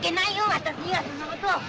私にはそんなこと。